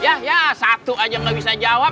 yah yah yah satu aja gak bisa jawab